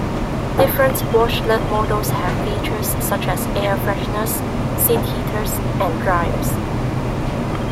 Different Washlet models have features such as air fresheners, seat heaters, and dryers.